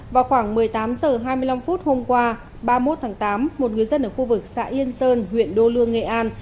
vào khoảng một mươi tám h hai mươi năm hôm qua ba mươi một tháng tám một người dân ở khu vực xã yên sơn huyện đô lương nghệ an